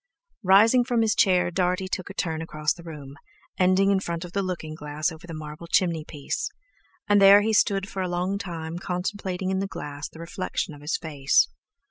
Rising from his chair, Dartie took a turn across the room, ending in front of the looking glass over the marble chimney piece; and there he stood for a long time contemplating in the glass the reflection of his face.